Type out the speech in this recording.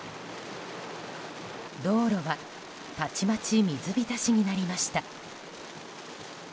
道路はたちまち水浸しになりました。